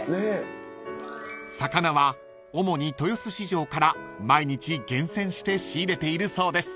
［魚は主に豊洲市場から毎日厳選して仕入れているそうです］